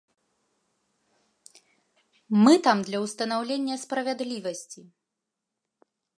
Мы там для ўстанаўлення справядлівасці.